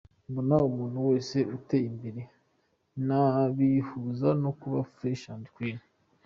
Mbona umuntu wese uteye imbere nabihuza no kuba Fresh and Clean.